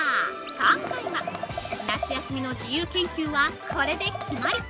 今回は夏休みの自由研究はコレで決まり！